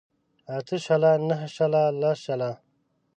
اته شله نهه شله لس شله